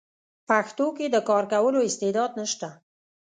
پښتو کې د کار کولو استعداد شته: